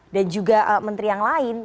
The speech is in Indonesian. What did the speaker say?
dan juga menteri yang lain